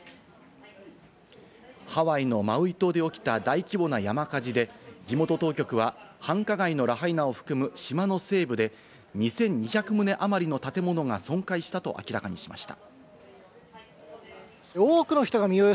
ハワイのマウイ島で起きた大規模な山火事で、地元当局は、繁華街のラハイナを含む島の西部で２２００棟あまりの建物が損壊したと明らかにしました。